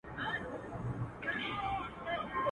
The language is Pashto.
خلک په رخصتیو کې ساتیري کوي